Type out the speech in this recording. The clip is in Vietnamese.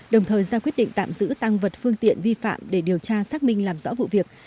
đồng thời ra quyết định tạm giữ tăng vật phương tiện vi phạm để điều tra xác minh làm rõ vụ việc